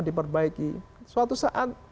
diperbaiki suatu saat